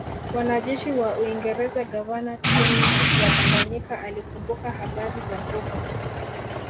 Wanajeshi wa Uingereza gavana Twining wa Tanganyika alikumbuka habari za fuvu